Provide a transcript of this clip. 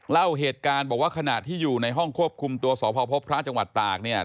เล่าเหตุการณ์บอกว่าขณะที่อยู่ในห้องควบคุมตัวสพพบพระจังหวัดตากเนี่ย